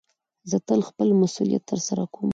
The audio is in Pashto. زه تل خپل مسئولیت ترسره کوم.